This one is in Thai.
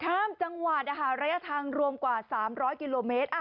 ข้ามจังหวัดระยะทางรวมกว่า๓๐๐กิโลเมตร